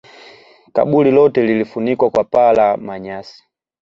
kaburi lote lilifunikwa kwa paa la manyasi